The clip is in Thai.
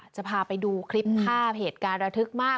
จะพาไปดูคลิปภาพเหตุการณ์ระทึกมาก